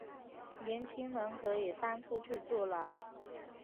年轻人可以搬出去住了